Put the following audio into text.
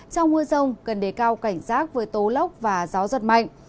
trong mưa rông cần đề cao cảnh giác với tố lốc và gió giật mạnh